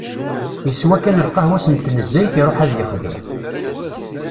Yeswa kan lqahwa-s n tnezzayt iruḥ ad yexdem.